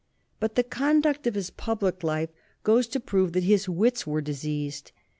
But the conduct of his public life goes to prove that his wits were diseased.